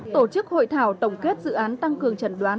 tổ chức hội thảo tổng kết dự án tăng cường trần đoán